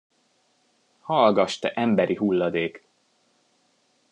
Hallgass, te emberi hulladék!